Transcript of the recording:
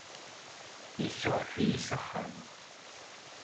Isuɛef-iyi s axxam.